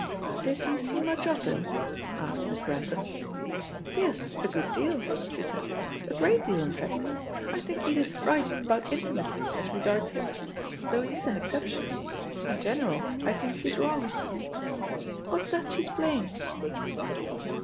"Did you see much of him?" asked Miss Grantham. "Yes, a good deal," she said, "a great deal, in fact. I think Edith's right about intimacy as regards him, though he's an exception. In general, I think, she's wrong. What's that she's playing?"